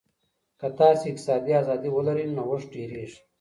که تاسي اقتصادي ازادي ولرئ، نوښت ډېرېږي.